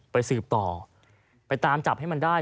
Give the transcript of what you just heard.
สืบต่อไปตามจับให้มันได้